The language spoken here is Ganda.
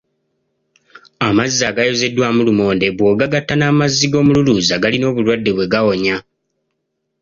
Amazzi agayozeddwamu lumonde bw’ogagatta n’amazzi g’omululuuza galina obulwadde bwe gawonya.